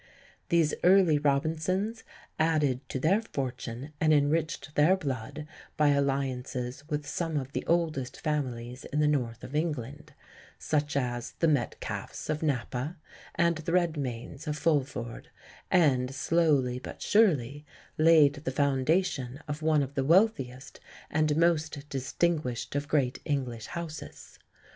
These early Robinsons added to their fortune and enriched their blood by alliances with some of the oldest families in the north of England such as the Metcalfes of Nappa and the Redmaynes of Fulford and slowly but surely laid the foundation of one of the wealthiest and most distinguished of great English houses.